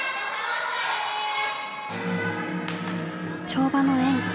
跳馬の演技。